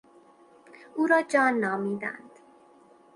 او را جان نامیدند.